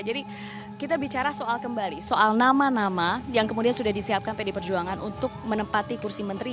jadi kita bicara soal kembali soal nama nama yang kemudian sudah disiapkan pd perjuangan untuk menempati kursi menteri